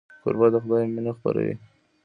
کوربه د خدای مینه خپروي.